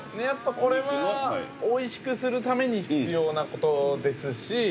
◆これは、おいしくするために必要なことですし。